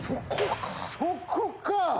そこか？